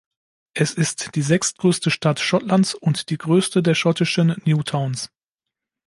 Es ist die sechstgrößte Stadt Schottlands und die größte der schottischen New Towns.